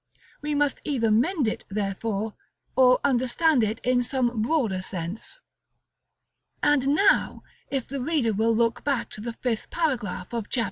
We must either mend it, therefore, or understand it in some broader sense. [Illustration: Fig. VIII.] § LXXXV. And now, if the reader will look back to the fifth paragraph of Chap.